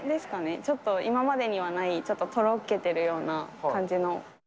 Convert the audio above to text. ちょっと今までにはない、ちょっととろけてるような感じの。